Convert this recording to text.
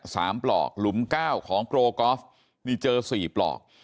สามปลอกหลุมเก้าของโกรฟนี่เจอสี่ปลอก